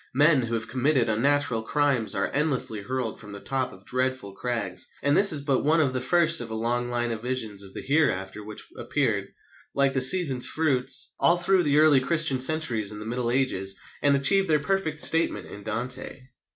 Men who have committed unnatural crimes are endlessly hurled from the top of dreadful crags. And this is but one of the first of a long line of visions of the hereafter which appeared, like the season's fruits, all through the early Christian centuries and the Middle Ages, and achieved their perfect statement in Dante.